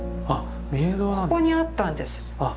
ここにあったんです。